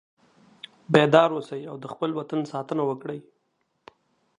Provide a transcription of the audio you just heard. بیدار اوسئ او د خپل وطن ساتنه وکړئ.